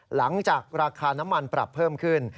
หลังจากราคาน้ำมันปรับเพิ่มขึ้น